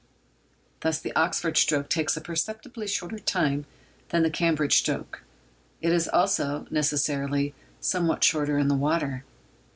Thus the Oxford stroke takes a perceptibly shorter time than the Cambridge stroke; it is also, necessarily, somewhat shorter in the water.